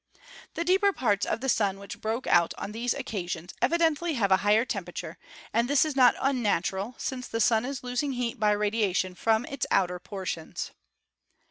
The deeper parts of the Sun which broke out on these occasions evidently have a higher tempera ture, and this is not unnatural, since the Sun is losing heat by radiation from its outer portions.